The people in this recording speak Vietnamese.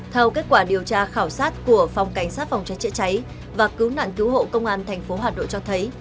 theo kết quả điều tra khảo sát của phòng cảnh sát phòng cháy chữa cháy và cứu nạn cứu hộ công an tp hà nội cho thấy